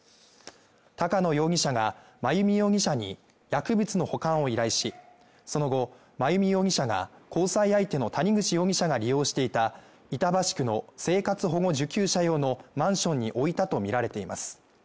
高野容疑者が真弓容疑者に薬物の保管を依頼し、その後、真弓容疑者が交際相手の谷口容疑者が利用していた板橋区の生活保護受給者用のマンションに置いたとみられています。